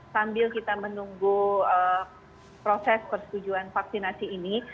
sambil kita menunggu proses persetujuan vaksinasi ini